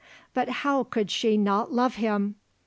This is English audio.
But how could she not love him?